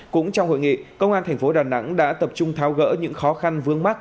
cũng trong hội nghị công an tp đà nẵng đã tập trung thao gỡ những khó khăn vướng mắt